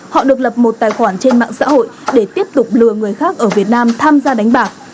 họ được lập một tài khoản trên mạng xã hội để tiếp tục lừa người khác ở việt nam tham gia đánh bạc